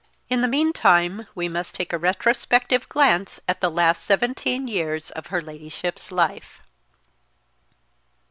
In the meantime we must take a retrospective glance at the last seventeen years of her Ladyship's life.